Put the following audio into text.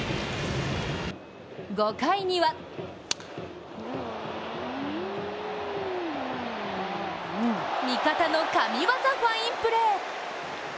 ５回には味方の神業ファインプレー。